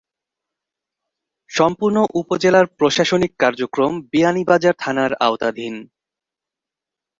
সম্পূর্ণ উপজেলার প্রশাসনিক কার্যক্রম বিয়ানীবাজার থানার আওতাধীন।